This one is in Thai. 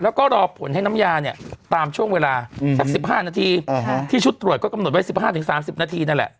แล้วก็รอผลให้น้ำยาเนี่ยตามช่วงเวลาสัก๑๕นาทีที่ชุดตรวจก็กำหนดไว้๑๕๓๐นาทีนั่นแหละ